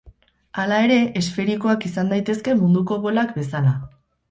Hala ere, esferikoak izan daitezke munduko bolak bezala.